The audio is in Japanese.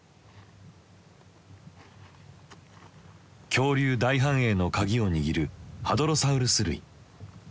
恐竜大繁栄の鍵を握るハドロサウルス類。